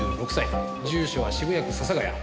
住所は渋谷区笹ヶ谷。